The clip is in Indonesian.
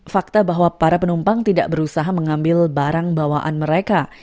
fakta bahwa para penumpang tidak berusaha mengambil barang bawaan mereka